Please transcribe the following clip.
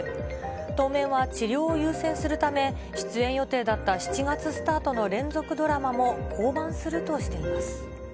当面は治療を優先するため、出演予定だった７月スタートの連続ドラマも降板するとしています。